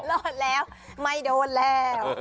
รอดแล้วไม่โดนแล้ว